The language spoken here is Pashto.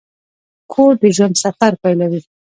کور د ژوند سفر پیلوي.